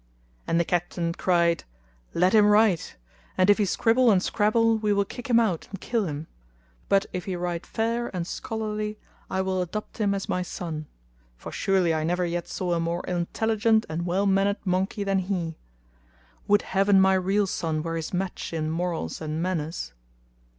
And the Captain cried, "Let him write; and if he scribble and scrabble we will kick him out and kill him; but if he; write fair and scholarly I will adopt him as my son; for surely I never yet saw a more intelligent and well mannered monkey than he. Would Heaven my real son were his match in morals and manners."